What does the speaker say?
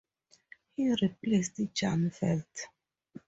He replaced Jaan Velt.